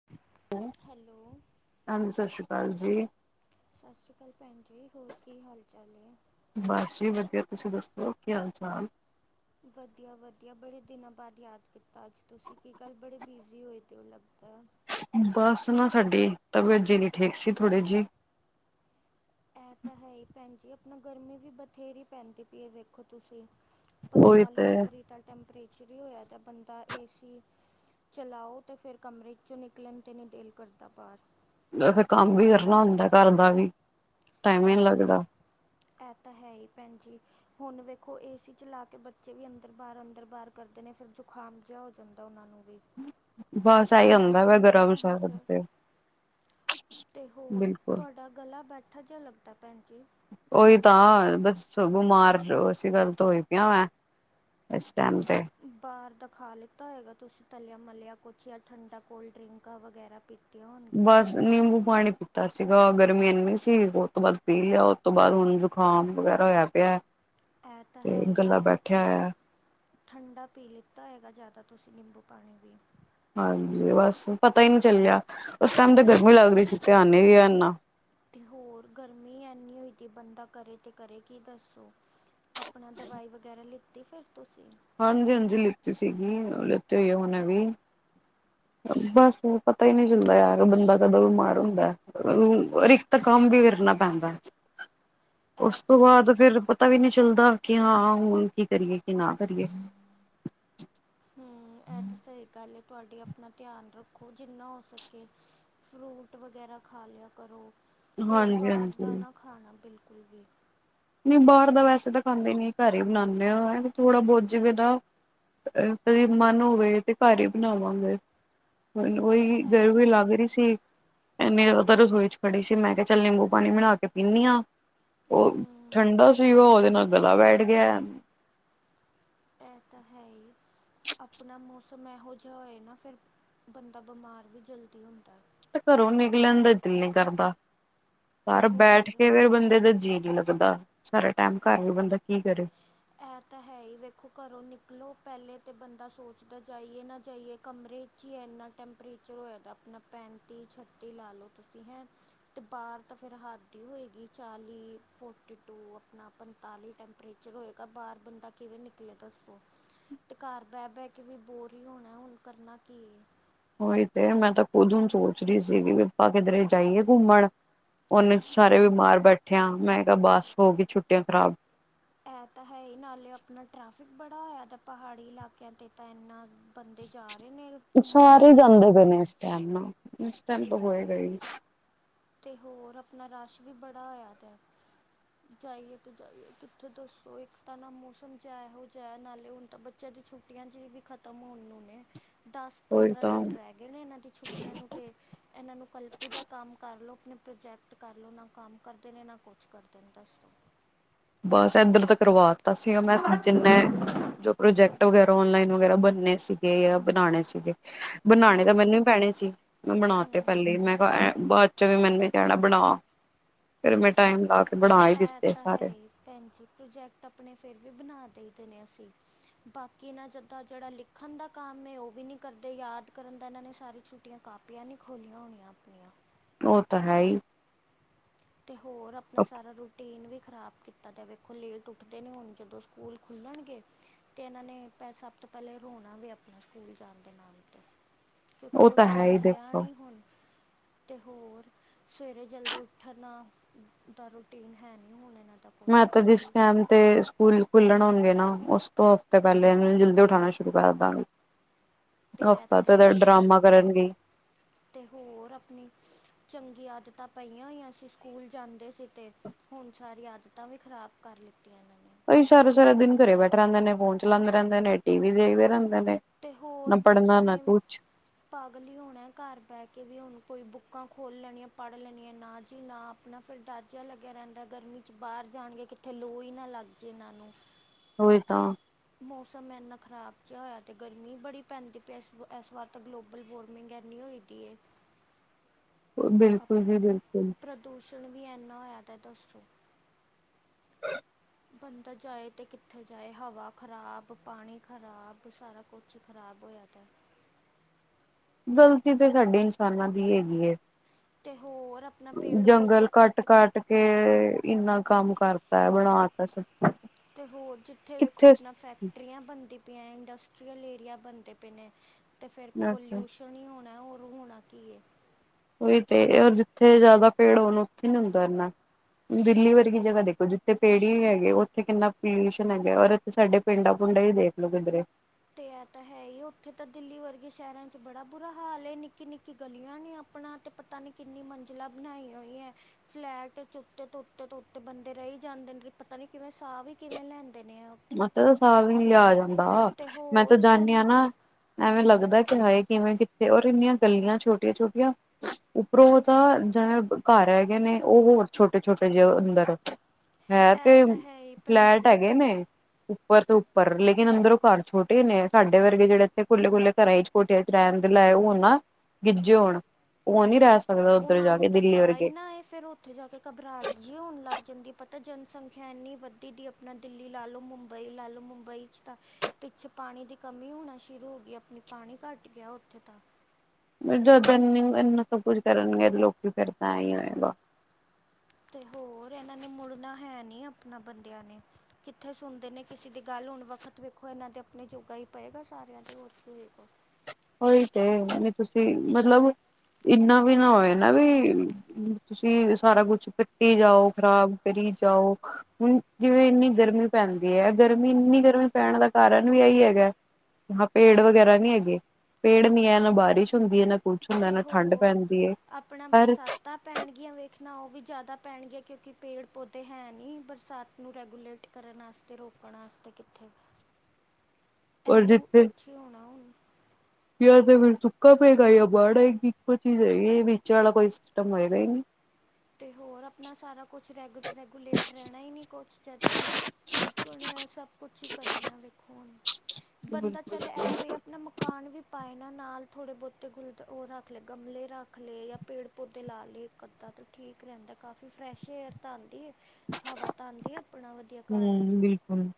[inaudible] Hello. ਹਾਂਜੀ ਸਸ਼ ਸ਼੍ਰੀ ਕਾਲ ਜੀ। ਸਸ ਸ੍ਰੀ ਕਾਲ ਭੈਣ ਜੀ ਹੋਰ ਕੀ ਹਾਲ ਚਾਲ ਏ? ਬਸ ਜੀ ਵਧੀਆ ਤੁਸੀਂ ਦੱਸੋ ਕੀ ਹਾਲ ਚਾਲ? ਵਧੀਆ-ਵਧੀਆ ਬੜੇ ਦਿਨਾਂ ਬਾਦ ਯਾਦ ਕੀਤਾ ਅੱਜ ਤੁਸੀਂ, ਕੀ ਗੱਲ ਬੜੇ ਬਿਜ਼ੀ ਹੋਏ ਦੇ ਓ ਲੱਗਦੈ। ਬਸ ਨਾ ਸਾਡੀ ਤਬੀਅਤ ਜੀ ਨੀ ਠੀਕ ਸੀ ਥੋੜੀ ਜੀ। ਐ ਤਾਂ ਹੈ ਈ ਭੈਣ ਜੀ ਆਪਣਾ ਗਰਮੀ ਵੀ ਬਥੇਰੀ ਪੈਂਦੀ ਪਈਏ ਵੇਖੋ ਤੁਸੀਂ। ਉਹੀ ਪੰਤਾਲੀ ਤੇ ਡਿਗਰੀ ਦਾ ਟੈਂਪਰੇਚਰ ਈ ਹੋਇਆ ਤਾਂ ਬੰਦਾ ਏ ਸੀ ਚਲਾਓ ਤੇ ਫੇਰ ਕਮਰੇ ਚੋ ਨਿਕਲਣ ਤੇ ਨੀ ਦਿਲ ਕਰਦਾ ਬਾਰ। ਫਿਰ ਕੰਮ ਵੀ ਕਰਨਾ ਹੁੰਦਾ ਘਰ ਦਾ ਵੀ। ਟਾਈਮ ਹੀ ਨੀ ਲੱਗਦਾ ਐਤਾਂ-ਐਤਾਂ ਹੈ ਈ ਭੈਣ ਜੀ। ਹੁਣ ਵੇਖੋ ਏਸੀ ਚਲਾ ਕੇ ਬੱਚੇ ਵੀ ਅੰਦਰ-ਬਾਰ, ਅੰਦਰ-ਬਾਰ ਕਰਦੇ ਨੇ ਫਿਰ ਜੁਖਾਮ ਜਿਆ ਹੋ ਜਾਂਦਾ ਓਨਾਂ ਨੂੰ ਵੀ। ਬਸ ਆਈ ਹੁੰਦਾ ਫੇਰ ਮੌਸਮ ਗਰਮ-ਸਰਦ ਤੇ। ਤੇ ਹੋਰ ਬਿਲਕੁਲ ਤੁਹਾਡਾ ਗਲਾ ਬੈਠਾ ਜਿਆ ਲੱਗਦਾ ਭੈਣ ਜੀ। ਓਈ ਤਾਂ ਬਸ ਬਿਮਾਰ ਇਸੀ ਗੱਲ ਤੋਂ ਹੋਈ ਪਈ ਐ ਮੈਂ। ਇਸ ਟੈਮ ਤੇ। ਬਾਰ ਦਾ ਖਾ ਲਿੱਤਾ ਹੋਏਗਾ ਤੁਸੀਂ ਤਲਿਆ-ਮਲਿਆ ਕੁੱਛ, ਜਾਂ ਠੰਡਾ ਕੋਲਡ ਡਰਿੰਕ ਵਗੈਰਾ ਪੀ ਪਿਆ ਹੋਣਗੀਆ। ਬਸ ਨਿੰਬੂ ਪਾਣੀ ਪੀਤਾ ਸੀਗਾ ਗਰਮੀ ਐੰਨੀ ਸੀ ਓ ਤੋਂ ਬਾਦ ਪੀ ਲਿਆ। ਉਤੋਂ ਬਾਦ ਹੁਣ ਜੁਕਾਮ ਵਗੈਰਾ ਹੋਇਆ ਪਿਐ। ਐਤਾਂ ਹੈਈ ਨਾ ਆਪਣਾ। ਠੰਡਾ ਪੀ ਲਿੱਤਾ ਹੋਏਗਾ ਜਾਦਾ, ਤੁਸੀਂ ਨਿੰਬੂ ਪਾਣੀ ਵੀ। ਹਾਂਜੀ, ਬਸ ਪਤਾ ਈ ਨੀ ਚੱਲਿਆ ਉਸ ਟਾਈਮ ਤੇ ਗਰਮੀ ਲੱਗ ਰੀ ਸੀ ਧਿਆਨ ਨੀ ਰਿਆ ਏਨਾ। ਹੋਰ ਗਰਮੀ ਐਨੀ ਹੋਈ ਦੀ, ਬੰਦਾ ਕਰੇ ਤੇ ਕਰੇ ਕੀ ਦੱਸੋ। ਆਪਨਾ ਦਵਾਈ ਵਗੈਰਾ ਲਿੱਤੀ ਫਿਰ ਤੁਸੀਂ? ਹਾਂਜੀ-ਹਾਂਜੀ, ਲਿੱਤੀ ਸੀਗੀ ਲਿਤੀ ਹੋਈ ਹੁਣੇ ਵੀ। ਬਸ ਪਤਾ ਈਨੀ ਚੱਲਦਾ ਯਾਰ ਬੰਦਾ ਕਦੋਂ ਬਿਮਾਰ ਹੁੰਦਾ ਏ। ਅ ਇਕ ਤਾ ਕੰਮ ਵੀ ਕਰਨਾ ਪੈਂਦਾ, ਇਹ ਉਸ ਤਾਂ ਤੋਂ ਹੈ ਹੀ ਬਾਦ ਫਿਰ ਪਤਾ ਵੀ ਨੀ ਚੱਲਦਾ ਕੀ ਹਾਂ ਹੁਣ ਕੀ ਕਰੀਏ ਕੀ ਨਾ ਕਰੀਏ। ਹੂੰ, ਐ ਤਾਂ ਸਈ ਗੱਲ ਐ ਤੁਹਾਡੀ ਆਪ ਪਣਾ ਧਿਆਨ ਰੱਖੋ ਜਿੰਨਾ ਹੋ ਸਕੇ ਫਰੂਟ ਵਗੈਰਾ ਖਾ ਲਿਆ ਕਰੋ। ਹੋਰ ਹਾਂਜੀ ਬਾਰ ਹਾਂਜੀ ਦਾ ਨਾ ਖਾਣਾ ਬਿਲਕੁਲ ਵੀ। ਨੀ ਬਾਰ ਦਾ ਵੈਸੇ ਤਾਂ ਖਾਂਦੇ ਨੀ ਘਰ ਈ ਬਣਾਦੇ ਆ, ਏਵੇ ਥੋੜਾ ਬੋਤ ਜਿਵੇਂ ਦਾ ਅ ਕਦੇ ਮਨ ਹੋਵੇ ਤੇ ਘਰ ਈ ਬਣਾਵਾਂਗੇ। ਹੁਣ ਓ ਈ ਇਹ ਤਾਂ ਗਰਮੀ ਹੈ ਲੱਗ ਰੀ ਹੀ ਸੀ। ਐਨੀ ਜਾਦਾ ਰਸੋਈ ਚ ਖੜੀ ਸੀ ਮੈਂ ਕਿਆ ਚੱਲ ਨਿੰਬੂ ਪਾਣੀ ਬਣਾ ਕੇ ਪੀਂਨੀ ਆ ਓ ਹੂੰ ਠੰਡਾ ਸੀਗਾ ਓ ਓਦੇ ਨਾਲ ਗਲਾ ਬੈਠ ਗਿਆ ਏ। ਐ ਤਾਂ ਹੈ ਈ। ਆਪਣਾ ਮੌਸਮ ਏਹੋ ਜਾ ਹੋਏ ਨਾ ਫਿਰ ਬੰਦਾ ਬਿਮਾਰ ਵੀ ਜਲਦੀ ਹੁੰਦਾ ਏ। ਘਰੋਂ ਨਿਕਲਣ ਦਾ ਦਿਲ ਨੀ ਕਰਦਾ, ਤੇ ਘਰ ਬੈਠ ਹੋਰ ਕੇ ਫੇਰ ਬੰਦੇ ਦਾ ਜੀ ਨੀ ਲੱ ਕਹਿੰਦਾ, ਸਾਰਾ ਟੈਮ ਘਰ ਵੀ ਬੰਦਾ ਕੀ ਕਰੇ। ਐ ਤਾਂ ਹੈ ਈ, ਵੇਖੋ ਘਰੋਂ ਨਿਕਲੋ ਪੈਲੇ ਤੇ ਬੰਦਾ ਸੋਚਦਾ ਜਾਈਏ ਨਾ ਜਾਈਏ ਕਮਰੇ ਕੀ ਇੰਨਾ ਟੈਂਪਰੇਚਰ ਹੋਇਆ ਦਾ ਆਪਣਾ ਪੈਂਤੀ, ਛੱਤੀ ਲਾ ਲੋ ਤੁਸੀਂ ਹੈਂ। ਤੇ ਬਾਰ ਤਾਂ ਫਿਰ ਹੱਦ ਈ ਹੋਏਗੀ ਚਾਲੀ, ਫੋਰਟੀ ਟੂ ਆਪਣਾ ਪੰਤਾਲੀ ਟੈਂਪਰੇਚਰ ਹੋਏ। ਗਾ ਬਾਰ ਬੰਦਾ ਕਿਵੇਂ ਨਿਕਲੇ ਦੱਸੋ? ਤੇ ਘਰ ਬੈ-ਬੈ ਕੇ ਵੀ ਬੋਰ ਈ ਹੋਣਾ ਹੁਣ ਕਰਨਾ ਕੀ ਏ। ਉਹੀ ਤੇ ਮੈਂ ਤਾਂ ਖੁਦ ਨੂੰ ਸੋਚ ਰੀ ਸੀਗੀ ਵੀ ਆਪਾਂ ਕਿਧਰੇ ਜਾਈਏ ਘੁੰਮਣ। ਉਹਨੇ ਚ ਸਾਰੇ ਬਿਮਾਰ ਬੈਠਿਆਂ ਮੈਂ ਕਿਹਾ ਬਸ ਹੋ ਗਈ ਛੁੱਟੀਆਂ ਖਰਾਬ। ਇਹ ਤਾਂ ਹੈ ਹੀ ਨਾਲੇ ਆਪਣਾ ਟ੍ਰੈਫਿਕ ਬੜਾ ਹੋਇਆ ਤਾਂ ਪਹਾੜੀ ਇਲਾਕਿਆਂ ਤੇ ਤਾਂ ਇੰਨਾ। ਬੰਦੇ ਜਾ ਰਹੇ ਨੇ ਘੁੰਮਣ ਸਾਰੇ ਤੇ ਜਾਂਦੇ [unintelligible] ਇਸ ਟਾਈਮ ਤੇ ਹੋਏਗਾ ਹੀ। ਤੇ ਹੋਰ ਆਪਣਾ ਰਸ਼ ਵੀ ਬੜਾ ਹੋਇਆ ਦਾ ਏ। ਜਾਈਏ ਤੇ ਜਾਈਏ ਕਿੱਥੇ? ਦੱਸੋ ਇੱਕ ਤਾਂ ਨਾ ਮੌਸਮ ਜਾ ਐਹੋੋ ਜਾ ਐ ਨਾਲੇ ਹੁਨ ਤਾਂ ਬ ਚੇੱ ਦੀ ਛੁੱਟੀਆਂ ਚ ਵੀ ਖ਼ਤਮ ਹੋਨ ਨੂੰ ਨੇ। ਦਸ ਉਹੀ ਪੰਦਰਾਂ ਤਾਂ ਦਿਨ ਰੈ ਗਏ ਨੇ ਏਨਾਂ ਦੀ ਛੁੱਟੀਆਂ ਨੂੰ ਤੇ ਏਨਾਂ ਨੂੰ ਕਲਪੀ ਦਾ ਕੰਮ ਕਰ ਲੋ ਅਪਣੇ ਪ੍ਰੋਜੈਕਟ ਕਰ ਲੋ ਨਾ ਕੰਮ ਕਰਦੇ ਨੇ ਨਾ ਕੁਛ ਕਰਦੇ ਨੇ ਦੱਸੋ। ਬਸ ਏਧਰ ਤਾਂ ਕਰਵਾ ਦਿੱਤਾ ਸੀਗਾ ਮੈਂ ਜਿੰਨੇ ਜੋ ਪ੍ਰੋਜੈਕਟ ਵਗੈਰਾ ਓਨਲਾਈਨ ਵਗੈਰਾ ਬਨਨੇ ਸੀ। ਬਨਾਣੇ ਸੀਗੇ। ਬਨਾਣੇ ਤਾਂ ਹੂੰ ਮੈਨੂੰ ਈ ਪੈਣੇ ਸੀ। ਮੈਂ ਬਣਾ ਤੇ ਹੂੰ ਪੈਲੇ ਈ ਮੈਂ ਕੇਆ ਐ ਬਾਦ ਚ ਵੀ ਮੈਨੂੰ ਈ ਕੈਣਾ ਬਣਾ। ਫਿਰ ਮੈਂ ਟਾਈਮ ਲਾ ਕੇ ਬਣਾ ਈ ਦਿੱਤੇ ਸਾਰੇ। ਭੈਣਜੀ ਪ੍ਰੋਜੈਕਟ ਅਪਣੇ ਫੇਰ ਵੀ ਬਨਾ ਦਈਦੇ ਨੇ ਅਸੀ। ਬਾਕੀ ਏਨਾਂ ਜਦਾਂ ਜੇੜਾ ਲਿਖਣ ਦਾ ਕੰਮ ਏ ਓ ਵੀ ਨੀ ਕਰਦੇ। ਯਾਦ ਕਰਨ ਦਾ ਏਨਾਂ ਨੇ ਸਾਰੀ ਛੁੱਟੀਆਂ ਕਾਪ ਪੀਆਂ ਨੀ ਖੋਲੀਆਂ ਹੋਣੀਆਂ ਅਪਣੀਆਂ। ਓ ਤਾਂ ਹੈ ਈ। ਤੇ ਹੋਰ ਅਪਣਾ ਸਾਰਾ ਰੂਟੀਨ ਵੀ ਖ਼ਰਾਬ ਕੀਤ ਤਾ ਦਾ ਏ। ਵੇਖੋ ਲੇਟ ਉੱਠਦੇ ਨੇ ਹੁਨ ਜਦੋਂ ਸਕੂਲ ਖੁੱਲਣਗੇ ਤੇ ਏਨਾਂ ਨੇ ਪੈ ਸਭ ਤੋਂ ਪੈਲੇ ਰੋਣਾ ਵੇ ਆਪਨਾ ਸਕੂਲ ਜਾਣ ਦੇ ਨਾਮ ਤੇ। ਕਿਉਂਕਿ ਉਹ ਤਾਂ ਹੈ ਰੋਟੀਨ ਹੀ ਰੇਆ ਦੇਖੋ ਨੀ ਹੁਣ ਤੇ ਹੋਰ, ਸਵੇਰੇ ਜਲਦੀ ਉੱਠ ਠਰਨਾਂ ਦਾ ਰੂਟੀਨ ਹੈ ਨੀ ਹੁਨ ਏਨਾਂ ਦਾ। ਮੈਂ ਕੁਛ ਤੇ ਜਿਸ ਕੀ ਟੈਮ ਤੇ ਸਕੂਲ ਖੁੱਲਣ ਹੋਣਗੇ ਨਾ ਉਸ ਤੋਂ ਹਫ਼ਤੇ ਪੈਲੇ ਏਨਾਂ ਜਲਦੀ ਉਠਾਣਾ ਸ਼ੁਰੂ ਕਰ ਦਾਂਗੀ। ਤੇ ਇਹ ਹਫ਼ਤਾ ਤਾਂ ਹੈ ਤੇ ਹੀ ਭੈਣ ਡਰਾਮਾ ਜੀ ਕਰਨ ਗੇਈ। ਤੇ ਹੋਰ ਅਪਨੀ ਚੰਗੀ ਆਦਤਾਂ ਪਈਆਂ ਹੋਈਆਂ ਸੀ ਸਕੂਲ ਜਾਂਦੇ ਸੀ ਤੇ। ਹੁਨ ਸਾਰੀ ਆਦਤਾਂ ਵੀ ਖਰਾਬ ਕਰ ਲਿੱਤੀਆਂ ਏਨਾਂ ਨੇ। ਓਈ ਸਾਰਾ ਸਾਰਾ ਦਿਨ ਘਰੇ ਬੈਠੇ ਰੇਂਦੇ ਨੇ, ਫੋਨ ਚਲਾਂਦੇ ਰੇਂਦੇ ਨੇ, ਟੀ ਵੀ ਦੇਖਦੇ ਰੇਂਦੇ ਨੇ। ਤੇ ਨਾ ਹੋਰ ਪੜ੍ਹਨਾ ਬੱਚੇਆਂ ਨਾ ਨੇ ਵੀ ਕੁਛ ਪਾਗਲ ਈ ਹੋਣਾ ਏ ਘਰ ਬੇ ਕੇ। ਵੀ ਹੁਣ ਕੋਈ ਬੁੱਕਾਂ ਖੋਲ ਲੈਣੀਆਂ ਪੜ ਲੈਣੀਆਂ ਨਾ ਜੀ ਨਾ। ਅਪਣਾ ਫੇਰ ਡਰ ਜੇਆ ਲੱਗੇਆ ਰੇਂਦਾ ਗਰਮੀ ਚ ਬਾਰ ਜਾਣਗੇ ਕਿੱਥੇ ਲੂ ਈ ਨਾ ਲੱਗਜੇ ਏਨਾਂ ਨੂੰ। ਓਈ ਤਾਂ। ਮੌਸਮ ਐਨਾ ਖਰਾਬ ਜਾ ਹੋਏਆ ਤੇ ਗਰਮੀ ਬੜੀ ਪੈਂਦੀ ਪੀ ਐਸ ਐਸ ਵਾਰ ਐਸ ਵਾਰ ਤਾਂ ਗਲੋਬਲ ਵਾਰਮਿੰਗ ਐੰਨੀ ਹੋਈ ਟੀਏ ਬਿਲਕੁਲ ਜੀ ਅਪਣਾ ਬਿਲਕੁਲ ਪ੍ਰਦੂਸ਼ਣ ਵੀ ਐਨਾ ਹੋਏਆ ਦਾ ਦੱਸੋ। [unintelligible] ਬੰਦਾ ਜਾਏ ਤੇ ਕਿੱਥੇ ਜਾਏ? ਹਵਾ ਖਰਾਬ ਪਾਣੀ ਖਰਾਬ ਸਾਰਾ ਕੁਛ ਖਰਾਬ ਹੋਏਆ ਦਾ। ਗਲਤੀ ਤੇ ਸਾਡੀ ਇਨਸਾਨਾਂ ਦੀ ਈ ਹੈਗੀ ਏ। ਤੇ ਹੋਰ। ਜੰਗਲ ਕੱਟ ਕੱਟ ਕੇ ਇੰਨਾ ਕੰਮ ਕਰਤਾ ਐ। ਬਣਾ ਤਾ ਸਬ ਕੁਛ। ਤੇ ਹੋਰ ਜਿੱਥੇ ਵੇਖੋ ਕਿੱਥੇ ਅਪਣਾ ਫੈਕ ਟਰੀਆਂ ਬਨਦੀ ਪੀ ਐਂ, ਇਂਡਸਟਰੀਯਲ ਏਰੀਆ ਬਨਦੇ ਪੇ ਨੇ ਤੇ ਫੇਰ ਪੋਲਿਊਸ਼ਨ ਈ ਹੋਣਾ ਹੋਰ ਹੋਣਾ ਕੀ ਏ? ਓਈ ਤੇ, ਔਰ ਜਿੱਥੇ ਜਾਦਾ ਪੇੜ ਹੋਨ ਓਥੇ ਨੀ ਹੁੰਦਾ ਇਨਾ। ਦਿੱਲੀ ਵਰਗੀ ਜਗਾ ਦੇਖੋ ਜਿੱਥੇ ਪੇੜ ਈ ਨੀ ਹੈਗੇ ਓਥੇ ਕਿੰਨਾ ਪੋਲਿਊਸ਼ਨ ਹੈਗਾ ਔਰ ਸਾਡੇ ਪਿੰਡਾਂ ਪੁੰਡਾਂ ਇ ਦੇਖਲੋ ਕਿੱਧਰੇ। ਤੇ ਐ ਤਾ ਹੈ ਈ। ਓਥੇ ਤਾਂ ਦਿੱਲੀ ਵਰਗੇ ਸੈ਼ਰਾਂ ਚ ਬੜਾ ਬੁਰਾ ਹਾਲ ਏ। ਨਿੱਕੀ ਨਿੱਕੀ ਗਲੀਆਂ ਨੇ ਅਪਣਾ ਤੇ ਪਤਾ ਨੀ ਕਿੰਨੀ ਮੰਜਿਲਾਂ ਬਨਾਈ ਹੋਈਆਂ ਐਂ। ਫਲੈਟ ਉੱਤੋਂ ਉੱਤੋਂ ਉੱਤੋਂ ਬੰਦੇ ਰਈ ਜਾਂਦੇ ਨੇ ਪਤਾ ਨੀ ਕਿਵੇਂ ਸਾ ਵੀ ਕਿਵੇਂ ਲੈਂਦੇ ਨੇ ਆ। ਉੱਥੇ ਮਤਲਬ ਸਾ ਵੀ ਨੀ ਲੇਆ ਜਾਂਦਾ ਤੇ ਮੈਂ ਤਾਂ ਹੋਰ ਜਾਨੀ ਆ ਜਨ ਨਾ। ਐਵੇਂ ਲੱਗਦੇ ਕਿ ਹਾਏ ਕਿਵੇਂ ਕਿੱਥੇ ਔਰ ਇੰਨੀਆਂ ਗੱਲੀਆਂ ਛੋਟੀਆਂ ਛੋਟੀਆਂ। ਉੱਪਰੋਂ ਤਾਂ ਜੇ ਘਰ ਹੈਗੇ ਨੇ ਓ ਹੋਰ ਛੋਟੇ ਛੋਟੇ ਜੇ ਅੰਦਰ। ਹੈ ਇਹ ਤੇ ਤਾਂ ਹੈ ਹੀ ਭੈਣ ਫਲੈਟ ਜੀ ਹੈਗੇ ਨੇ। ਉੱਪਰ ਤੋਂ ਉਪਰ ਲੇਕਿਨ ਅੰਦਰੋਂ ਘਰ ਛੋਟੇ ਨੇ ਸਾਡੇ ਵਰਗੇ ਜੇੜੇ ਏਥੇ ਖੁੱਲੇ-ਖੁੱਲੇ ਘਰਾ ਏਚ ਬੋਤੇ ਟੇਮ ਦੇ ਲਏ ਹੋ ਨਾ ਗਿੱਜੇ ਹੋਣ। ਓ ਨੀ ਰੇ ਸਕਦਾ ਉੱਧਰ ਉਹਨਾਂ ਜਾ ਨੂੰ ਕੇ ਤਾਂ ਦਿੱਲੀ ਸਾਹ ਹੀ ਵਰਗੇ। ਨਾ ਆਏ ਫਿਰ ਉੱਥੇ ਜਾ ਕੇ ਘਬਰਾਹਟ ਚ ਜੀ ਹੋਣ ਲੱਗ ਜਾਂਦੀ ਏ ਪਤਾ ਜਨਸੰਖਿਆ ਏਨੀ ਵੱਧੀ ਦੀ ਆਪਣਾ। ਦਿੱਲੀ ਲਾ ਲਓ ਮੁੰਬਈ ਲਾ ਲਓ ਮੁੰਬਈ ਚ ਤਾਂ ਪਿੱਛੇ ਪਾਣੀ ਦੀ ਕਮੀ ਹੋਣਾ ਸ਼ੁਰੂ ਹੋ ਗਈ ਆਪਣੇ ਪਾਣੀ ਘੱਟ ਗਿਆ ਉੱਥੇ ਤਾਂ। ਜਦ ਏਨਾ ਸਭ ਕੁਛ ਕਰਨਗੇ ਲੋਕੀ ਫਿਰ ਤਾਂਈ ਹੋਏਗਾ। ਤੇ ਹੋਰ ਏਨਾਂ ਨੇ ਮੁੜਨਾ ਹੈ ਨੀ ਆਪਣਾ ਬੰਦਿਆਂ ਨੇ। ਕਿੱਥੇ ਸੁਣਦੇ ਨੇ ਕਿਸੀ ਦੀ ਗੱਲ ਹੁਣ ਵਖਤ ਵੇਖੋ ਏਨਾਂ ਦੇ ਆਪਣੇ ਜੋਗਾ ਈ ਪਏਗਾ ਸਾਰਿਆਂ ਦੇ ਹੋਰ ਕੀ ਵੇਖੋ। ਉਈ ਤੇ ਤੁਸੀਂ ਮਤਲਬ ਇਨਾ ਵੀ ਨਾ ਹੋਏ ਨਾ ਵੀ। ਤੁਸੀਂ ਸਾਰਾ ਕੁਛ ਕੱਟੀੇ ਜਾਓ, ਖ਼ਰਾਬ ਕਰੀ ਜਾਓ। ਹੁਣ ਜਿਵੇਂ ਇੰਨੀ ਗਰਮੀ ਪੈਂਦੀ ਏ ਗਰਮੀ ਇੰਨੀ ਗਰਮੀ ਪੈਣ ਦਾ ਕਾਰਨ ਵੀ ਏ ਹੈਗੇ। ਹਾਂ ਪੇੜ ਵਗੈਰਾ ਨੀ ਹੈਗੇ ਪੇੜ ਨੀ ਹੈ ਨਾ ਬਾਰਿਸ਼ ਹੁੰਦੀ ਏ ਨਾ ਕੁਛ ਹੁੰਦਾ ਤੇ ਨਾ ਠੰਢ ਹੋਰ ਪੈਂਦੀ ਹੈ ਆਪਣਾ ਹਰ ਬਰਸਾਤਾ। ਪੈਣਗੀਆਂ ਵੇਖਣਾ ਉਹ ਵੀ ਜ਼ਿਆਦਾ ਪੈਣਗੀਆਂ ਕਿਉਂਕਿ ਪੇੜ ਪੌਦੇ ਹੈ ਨਹੀਂ ਬਰਸਾਤ ਨੂੰ ਰੈਗੂਲੇਟ ਕਰਨ। ਤੇ ਰੋਕਣਾ ਆਸਤੇ ਕਿੱਥੇ। [inaudible] ਇਹੀਓ ਕੁਛ ਹੋਣਾ ਹੁਣ। ਯਾ ਤਾਂ ਫਿਰ ਸੁੱਕਾ ਪਏਗਾ ਯਾ ਬਾੜ ਆਏਗੀ ਇੱਕੋ ਚੀਜ਼ ਹੈਗੀ ਵਿਚ ਵਾਲਾ ਕੋਈ ਸਿਸਟਮ ਹੋਏਗਾ ਈ ਨੀ ਤੇ ਹੋਰ ਅਪਣਾ ਸਾਰਾ ਕੁਛ ਰੈਗੂ ਰੈਗੂਲੇਟ ਰੇਣਾ ਈ ਨੀ ਕੁਛ ਜਦ। ਲੋਕਾਂ ਨੇ ਏ ਸਭ ਕੁਛ ਈ ਕਰਨੇ ਵੇਖੋ ਹੁਣ ਬੰਦਾ ਬਿਲਕੁਲ ਚੱਲ ਏ ਵੇ। ਮਕਾਨ ਵੀ ਪਾਏ ਨਾ ਨਾਲ ਥੋੜੇ ਬੋਤੇ ਗੁਲਦ ਓ ਰਾਖ ਲਏ ਗਮਲੇ ਰਾਖ ਲਏ ਯਾ ਪੇੜ ਪੌਦੇ ਲਾ ਲਏ ਇੱਕ ਅੱਧਾ ਤੇ। ਠੀਕ ਰੇਂਦੇ ਕਾਫੀ ਫਰੈਸ਼ ਏਅਰ ਤਾਂ ਆਂਦੀ ਏ ਹਵਾ ਤਾਂ ਆਂਦੀ ਏ ਆਪਣਾ ਘਰ ਵਿੱਚ ਹੂੰ ਬਿਲਕੁਲ।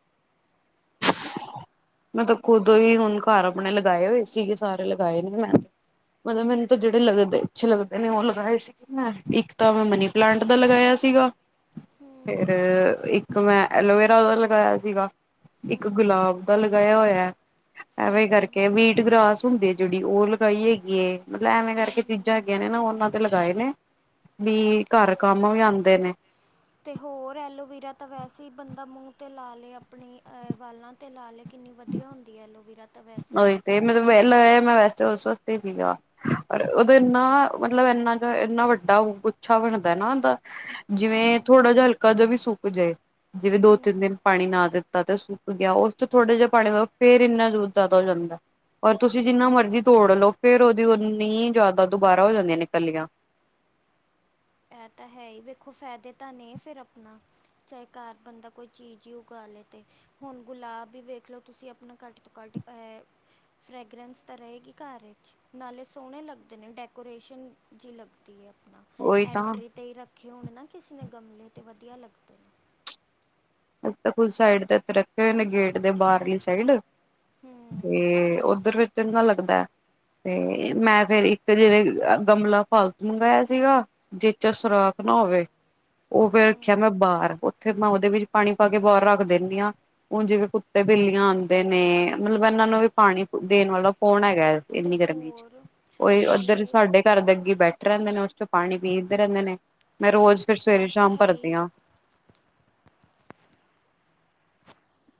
ਮੈਂ ਤਾਂ ਖੁਦ ਉਹੀ ਹੁਣ ਘਰ ਆਪਣੇ ਲਗਾਏ ਹੋਏ ਸੀਗੇ ਸਾਰੇ ਲਗਾਏ ਨੇ ਮੈਂ। ਮਤਲਬ ਮੈਨੂੰ ਤਾਂ ਜੇੜੇ ਲੱਗਦੇ ਅੱਛੇ ਲੱਗਦੇ ਨੇ ਓ ਲਗਾਏ ਸੀ। ਮੈਂ ਇੱਕ ਤਾਂ ਮਨੀ ਪਲਾਂਟ ਦਾ ਲਗਾਇਆ ਸੀਗਾ। ਫਿਰ ਹੂੰ ਇੱਕ ਮੈਂ ਐਲੋਵੇਰਾ ਦਾ ਲਗਾਇਆ ਸੀਗਾ। ਏਕ ਹੂੰ ਗੁਲਾਬ ਦਾ ਲਗਾਇਆ ਹੋਏ ਐਵੇਂ ਹੂੰ ਕਰਕੇ ਵੀਟ ਗ੍ਰਾਸ ਹੁੰਦੇ ਜੇੜੀ ਓ ਲਗਾਈ ਹੈਗੀ ਏ ਮਤਲਬ ਐਵੇਂ ਕਰਕੇ ਚੀਜ਼ਾਂ ਹੂੰ ਹੈਗੀਆਂ ਨੇ ਉਨਾਂ। ਤੇ ਲਗਾਏ ਨੇ ਬੀ ਘਰ ਕੰਮ ਵੀ ਆਂਦੇ ਨੇ। ਤੇ ਹੋਰ ਐਲੋਵੀਰਾ ਤਾਂ ਵੈਸੇ ਈ ਬੰਦਾ ਮੂੰ ਤੇ ਲਾ ਲਏ ਆਪਣੇ ਵਾਲਾਂ 'ਤੇ ਲਾ ਲਏ। ਕਿੰਨੀ ਵਧੀਆ ਹੁੰਦੀ ਏ ਐਲੋਵੀਰਾ ਤਾਂ ਵੈਸੇ ਵੀ ਉਹੀ ਤੇ ਮਤਲਬ [unintelligible] ਉਸ ਤੱਕ [unintelligible] ਪਰ ੳਦੇ ਨਾ ਇਨਾ ਮਤਲਬ ਏਨਾ ਜੇ ਏਨਾ ਵੱਡਾ ਗੁੱਛਾ ਬਣਦੇ ਨਾ ਉਦਾ। ਜਿਵੇਂ ਹੂੰ ਥੋੜਾ ਜਿਹਾ ਹਲਕਾ ਜਿਹਾ ਵੀ ਸੁੱਕ ਜਾਏ ਜਿਵੇਂ ਦੋ ਤਿੰਨ ਦਿਨ। ਹੂੰ ਪਾਣੀ ਨਾ ਦਿੱਤਾ ਤੇ ਸੁੱਕ ਗਿਆ ਉਸ ਚ ਥੋੜਾ ਜੇਹਾ ਪਾਣੀ ਫਿਰ ਇੰਨਾ ਯੂਜ ਜ਼ਿਆਦਾ ਹੋ ਜਾਂਦੇ। ਔਰ ਤੁਸੀਂ ਜਿੰਨਾ ਮਰਜ਼ੀ ਤੋੜ ਲਓ ਫਿਰ ਉਦੀ ਓਨੀ ਜ਼ਿਆਦਾ ਦੁਬਾਰਾ ਹੋ ਜਾਂਦੀਆਂ ਨੇ ਨਿਕਲੀਆਂ। ਏਹ ਤਾਂ ਹੈ ਈ ਵੇਖੋ ਫੇਦੇ ਤਾਂ ਨੇ ਫਿਰ ਆਪਣਾ। ਚਾਏ ਘਾਰ ਬੰਦਾ ਕੋਈ ਚੀਜ਼ ਈ ਓਗਾ ਲੇ ਤੇ। ਹੁਨ ਗੁਲਾਬ ਵੀ ਵੇਖ ਲੋ ਤੁਸੀਂ ਆਪਣਾ ਘੱਟ ਤੋਂ ਘੱਟ ਐ ਫਰੈਗਰੈਂਸ ਤਾਂ ਰਏਗੀ ਘਾਰ ਏਚ। ਨਾਲੇ ਸੋਣੇ ਲੱਗਦੇ ਨੇ ਡੈਕੋਰੇਸ਼ਨ ਜੀ ਲੱਗਦੀ ਏ ਆਪਨਾ। ਉਹੀ ਤਾਂ ਐਂਟਰੀ ਤੇ ਈ ਰੱਖੇ ਹੋਨ ਨਾ ਕਿਸੀ ਨੇ ਗਮਲੇ ਤੇ ਵਦੀਆ ਲੱਗਦੈ। ਅਸੀਂ ਤਾਂ ਖੁਦ ਸਾਈਡ ਤੇ ਇੱਥੇ ਰੱਖੇ ਹੋਏ ਨੇ ਗੇਟ ਦੇ ਬਾਰਲੀ ਸਾਈਡ ਤੇ ਹੂੰ ਓਧਰ ਫੇਰ ਚੰਗਾ ਲੱਗਦੈ। ਤੇ ਮੈਂ ਫੇਰ ਇੱਕ ਜਿਵੇਂ ਅ ਗਮਲਾ ਫਾਲਤੂ ਮੰਗਾਇਆ ਸੀਗਾ ਜੀਚ ਓ ਸੁਰਾਖ ਨਾ ਹੋਵੇ, ਓ ਫੇਰ ਰਖਿਆ ਹੂੰ ਮੈਂ ਬਾਰ ਓਥੇ ਮੈਂ ਓਦੇ ਵਿੱਚ ਪਾਣੀ ਪਾ ਕੇ ਬਾਰ ਰੱਖ ਦੇਨੀ ਆਂ। ਹੁਨ ਜਿਵੇਂ ਕੁੱਤੇ-ਬਿੱਲੀਆਂ ਆਂਦੇ ਨੇ, ਮਤਲਬ ਏਨਾਂ ਨੂੰ ਵੀ ਪਾਨੀ ਦੇਨ ਵਾਲਾ ਕੌਨ ਹੈਗਾ ਏ। ਤੇ ਏਨੀ ਗਰਮੀ ਚ, ਹੋਰ ਸਹੀ ਓਈ ਗੱਲ ਓਦਰ ਏ ਸਾਡੇ ਘਰਦੇ ਅੱਗੇ ਬੈਠੇ ਰੈਂਦੇ ਨੇ ਓਸ ਚੋਂ ਪਾਣੀ ਪੀਂਦੇ ਰੈਂਦੇ ਨੇ, ਮੈਂ ਰੋਜ਼ ਫੇਰ ਇਹ ਤਾਂ ਸਵੇਰੇ-ਸ਼ਾਮ ਹੈ ਹੀ ਭਰਦੀ ਆਂ।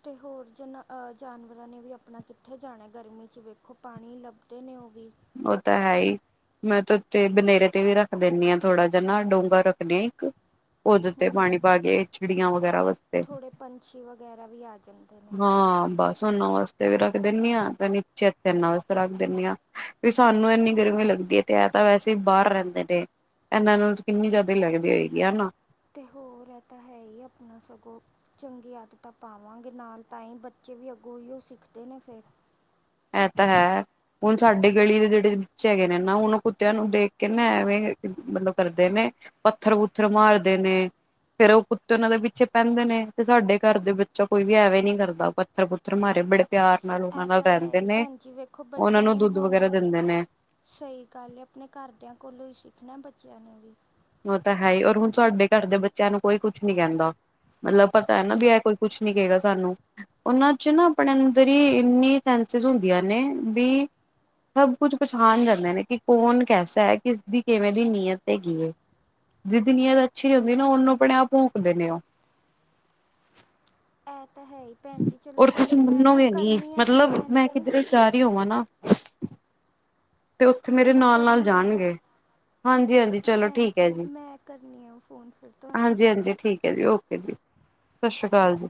ਤੇ ਹੋਰ ਜਨਾ ਅ ਜਾਨਵਰਾਂ ਨੇ ਵੀ ਅਪਨਾ ਕਿੱਥੇ ਜਾਣਾ ਗਰਮੀ ਚ ਵੇਖੋ ਪਾਨੀ ਈ ਲੱਭਦੇ ਨੇ ਓ ਵੀ ਓ ਤਾਂ ਹੈ ਈ। ਮੈਂ ਤੇ ਓਤੇ ਬਨੇਰੇ ਤੇ ਵੀ ਰੱਖ ਦੇਨੀ ਆ ਥੋੜਾ ਜ ਨਾ ਡੋਂਗਾ ਰੱਖਦੀ ਆ ਇੱਕ ਓਦੇ ਤੇ ਪਾਣੀ ਪਾ ਕੇ ਚਿੜੀਆਂ ਵਗੈਰਾ ਵਾ ਥੋੜੇ ਪੰਛੀ ਵਗੈਰਾ ਵੀ ਆ ਜਾਂਦੇ ਨੇ। ਓਨਾ ਵਾਸਤੇ ਵੀ ਰੱਖ ਦੇਨੀ ਆਂ ਤੇ ਨੀਚੇ ਏਥੇ ਏਨਾਂ ਵਾਸਤੇ ਰੱਖ ਦੇਨੀ ਆਂ। ਵੀ ਸਾਨੂੰ ਏਨੀ ਗਰਮੀ ਲੱਗਦੀ ਏ ਤੇ ਐ ਤਾਂ ਵੈਸੇ ਈ ਬਾਰ ਰੈਂਦੇ ਨੇ। ਏਨਾਂ ਨੂੰ ਕਿੰਨੀ ਜਾਦੇ ਲੱਗਦੀ ਹੋਏਗੀ ਐਨਾ। ਤੇ ਹੋਰ ਏ ਤਾਂ ਹੈ ਈ ਅਪਨਾ ਸਗੋਂ ਚੰਗੀ ਆਦਤਾਂ ਪਾਵਾਂਗੇ ਨਾਲ ਤਾਂ ਈ ਬੱਚੇ ਵੀ ਅੱਗੋਂ ਓਈਓ ਸਿੱਖਦੇ ਨੇ ਫੇਰ ਐ ਤਾਂ ਹੈ। ਹੁਨ ਸਾਡੀ ਗਲੀ ਦੇ ਜੇੜੇ ਵਿੱਚ ਹੈਗੇ ਨੇ ਨਾ ਓਨਾਂ ਕੁੱਤਿਆਂ ਨੂੰ ਦੇਖ ਕੇ ਨਾ ਐਵੇਂ ਮਤਲਬ ਕਰਦੇ ਨੇ ਪੱਥਰ-ਪੁੱਥਰ ਮਾਰਦੇ ਨੇ ਫੇਰ ਓ ਕੁੱਤੇ ਓਨਾਂ ਦੇ ਪਿੱਛੇ ਪੈਂਦੇ ਨੇ ਤੇ ਸਾਡੇ ਘਰ ਦੇ ਵਿੱਚੋ ਕੋਈ ਵੀ ਐਵੇਂ ਨੀ ਕਰਦਾ ਪ ਪੁਥਰ-ਪੁੱਥਰ ਮਾਰੇ ਬੜੇ ਪਿਆਰ ਨਾਲ ਓਨਾਂ ਨਾਲ ਰੈਂਦੇ। ਭੈਨ ਜੀ ਵੇਖੋ ਬੱਚੇਆਂ ਨੇ ਹੁਨ ਦਿੰਦੇ ਨੇ ਸਈ ਗੱਲ ਐ ਆਪਨੇ ਘਰਦਿਆਂ ਕੋਲੋਂ ਈ ਸਿੱਖਨੈ ਬੱਚੇਆਂ ਨੇ ਵੀ। ਓ ਤਾਂ ਹੈ ਈ ਔਰ ਹੁਨ ਸਾਡੇ ਘਰ ਦੇ ਬੱਚੇਆਂ ਨੂੰ ਕੋਈ ਕੁਛ ਨੀ ਕੈਂਦਾ। ਮਤਲਬ ਪਤਾ ਐ ਨਾ ਵੀ ਐਏ ਕੋਈ ਕੁੱਛ ਨੀ ਕਏਗਾ ਸਾਨੂੰ। ਓਨਾਂ ਚ ਨਾ ਅਪਨੇ ਅੰਦਰ ਈ ਇੰਨੀ ਸੈਂਸਿਜ਼ ਹੁੰਦੀਆਂ ਨੇ, ਵੀ ਸਬ ਕੁੱਛ ਪਛਾਨ ਜਾਂਦੇ ਨੇ ਕਿ ਕੌਨ ਕੈਸਾ ਐ ਕਿਸ ਦੀ ਕਿਵੇਂ ਦੀ ਨੀਅਤ ਹੈਗੀ ਏ। ਜੀਦੀ ਨੀਅਤ ਅੱਛੀ ਨੀ ਹੁੰਦੀ ਨਾ ਓਨੂੰ ਆਪਨੇ ਆਪ ਭੋਂਕ ਦੇ ਨੇ ਓ? ਇਹ ਤਾਂ ਹੈ ਹੀ ਭੈਣ ਜੀ ਚਲੋ ਔਰ ਤੁਸੀ ਠੀਕ ਹੈ ਮੈਂ ਨਾ ਮੰਨੋਗੇ ਨੀ, ਕਰਨੀ ਆ ਮਤਲਬ ਭੈਣ ਮੈਂ ਜੀ ਕਿੱਦਰੇ ਜਾ ਰਈ ਹੋਵਾਂ ਨਾ ਤੇ ਓਥੇ ਮੇਰੇ ਮੈਂ ਨਾਲ-ਨਾਲ ਕਰਨੀ ਆ ਫਿਰ ਜਾਨਗੇ। ਹਾਂਜੀ-ਹਾਂਜੀ ਚਲੋ ਭੈਣ ਠੀਕ ਐ ਜੀ, ਮੈਂ ਕਰਨੀ ਆ ਫੋਨ ਫਿਰ ਤੁਹਾਨੂੰ ਹਾਂਜੀ-ਹਾਂਜੀ ਹੈ ਠੀਕ ਐ ਜੀ ਓਕੇ ਜੀ, ਸਸ਼੍ਰੀ ਕਾਲ ਜੀ।